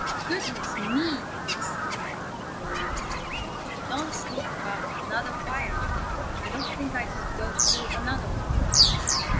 "Goodness me!" exclaimed Rolly Polly. "Don't speak about another fire! I don't think I could go through another one."